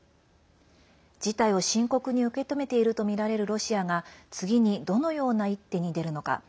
事態を深刻に受け止めているとみられるロシアが次にどのような一手に出るのか。